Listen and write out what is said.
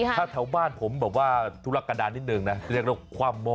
ถ้าแถวบ้านผมตุรกฎานนิดเดิมนะเรียกว่าความม่อ